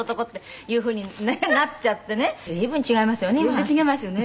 全然違いますよね。